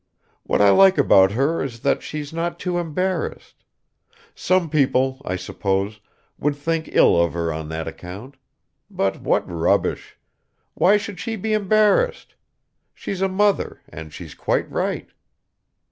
What I like about her is that she's not too embarrassed. Some people, I suppose, would think ill of her on that account. But what rubbish! Why should she be embarrassed? She's a mother and she's quite right."